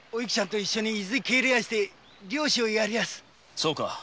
そうか。